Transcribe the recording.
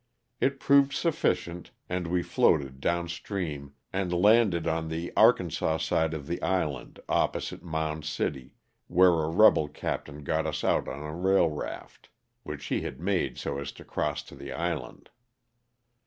It proved sufficient and we floated down stream and laud ed on the Arkansas side of the island opposite Mound City, where a rebel captain got us out on a rail raft, (which he had made so as to cross to the island).